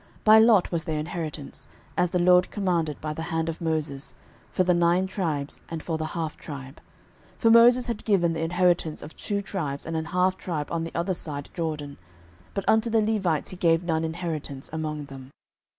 06:014:002 By lot was their inheritance, as the LORD commanded by the hand of Moses, for the nine tribes, and for the half tribe. 06:014:003 For Moses had given the inheritance of two tribes and an half tribe on the other side Jordan: but unto the Levites he gave none inheritance among them.